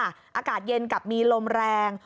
อากาศเย็นกับมีลมแรง